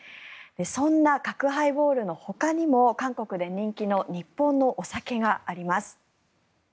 そんな角ハイボールのほかにも韓国で人気の日本のお酒があります。